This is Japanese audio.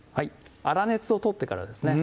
粗熱を取ってからですね